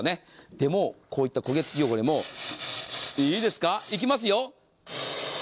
でもこういった焦げ付き汚れもいいですか、いきますよ。